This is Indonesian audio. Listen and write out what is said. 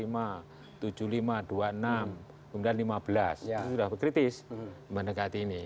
itu sudah berkritis mendekati ini